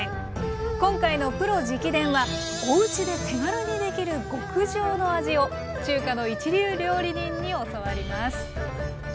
今回の「プロ直伝！」はおうちで手軽にできる極上の味を中華の一流料理人に教わります。